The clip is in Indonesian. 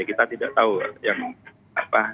kita tidak tahu yang apa